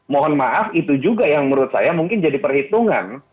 mohon maaf itu juga yang menurut saya mungkin jadi perhitungan